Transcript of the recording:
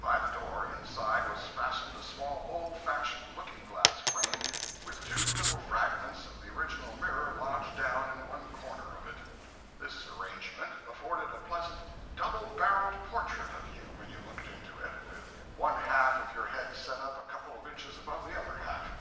By the door, inside, was fastened a small old fashioned looking glass frame, with two little fragments of the original mirror lodged down in one corner of it. This arrangement afforded a pleasant double barreled portrait of you when you looked into it, with one half of your head set up a couple of inches above the other half.